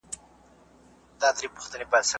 پلان جوړونه بايد ټول شموله وي.